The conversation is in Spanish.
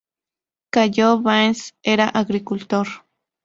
Cayo Báez era agricultor.